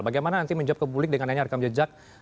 bagaimana nanti menjawab ke publik dengan adanya rekam jejak